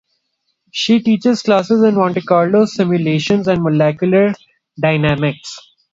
She teaches classes in Monte Carlo simulations and molecular dynamics.